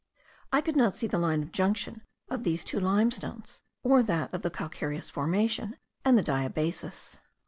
I could not see the line of junction of these two limestones, or that of the calcareous formation and the diabasis.